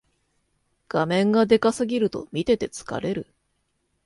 画面がでかすぎると見てて疲れる